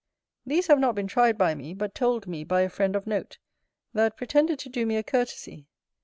These have not been tried by me, but told me by a friend of note, that pretended to do me a courtesy.